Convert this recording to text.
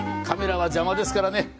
カメラは邪魔ですからね。